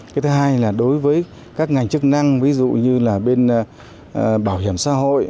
cái thứ hai là đối với các ngành chức năng ví dụ như là bên bảo hiểm xã hội